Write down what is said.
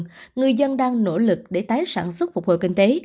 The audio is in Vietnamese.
tuy nhiên người dân đang nỗ lực để tái sản xuất phục hồi kinh tế